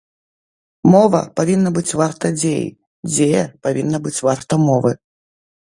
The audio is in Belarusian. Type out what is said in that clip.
Мова павінна быць варта дзеі, дзея павінна быць варта мовы.